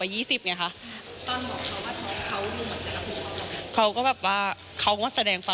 อ่าเดี๋ยวฟองดูนะครับไม่เคยพูดนะครับ